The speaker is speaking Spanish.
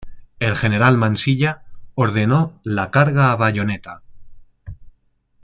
El general Mansilla ordenó la carga a bayoneta.